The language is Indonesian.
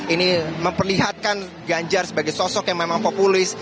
ini memperlihatkan ganjar sebagai sosok yang memang populis